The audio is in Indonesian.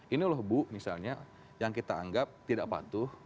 ini loh bu misalnya yang kita anggap tidak patuh